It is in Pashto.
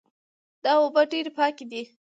دا اوبه ډېرې پاکې دي